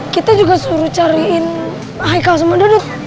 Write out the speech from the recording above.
kita juga suruh cariin haikal sama duduk